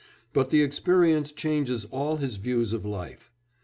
But the experience changes all his views of life.